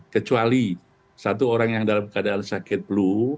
kecuali satu orang yang dalam keadaan sakit flu